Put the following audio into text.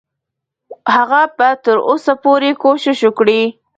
هغه به تر اوسه پورې کوشش وکړي.